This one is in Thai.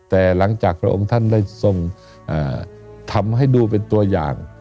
แต่หลังจากพระองค์ท่านได้ทรงทำให้ดูเป็นตัวอย่าง